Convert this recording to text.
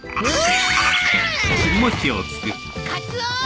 カツオ！